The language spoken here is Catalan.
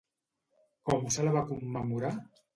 Com se la va commemorar?